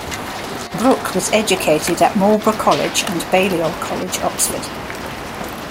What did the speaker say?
Brooke was educated at Marlborough College and Balliol College, Oxford.